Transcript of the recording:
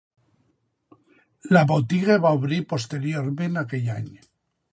La botiga va obrir posteriorment aquell any.